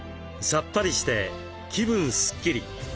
さっぱりして気分すっきり！